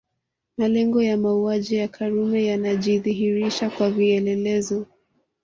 Malengo ya mauaji ya Karume yanajidhihirisha kwa vielelezo